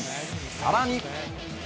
さらに。